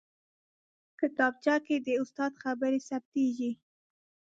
کتابچه کې د استاد خبرې ثبتېږي